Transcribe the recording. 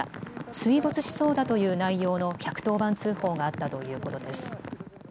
水没しそうだという内容の１１０番通報があったということです。